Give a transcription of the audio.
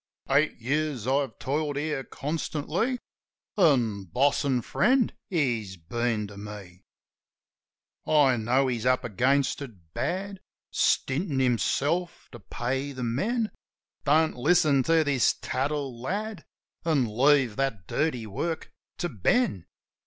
"Eight years I've toiled here constantly. An' boss an' friend he's been to me. OLD BOB BLAIR 51 "I know he's up against it bad; Stintin' himself to pay the men. Don't listen to this tattle, lad, An' leave that dirty work to Ben.